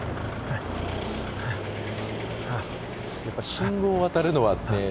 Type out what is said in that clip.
やっぱ信号渡るのはね